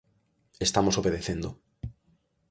Estamos obedecendo.